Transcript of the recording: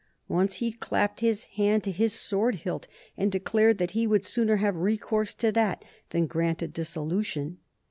Once he clapped his hand to his sword hilt and declared that he would sooner have recourse to that than grant a dissolution.